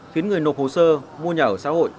khiến người nộp hồ sơ mua nhà ở xã hội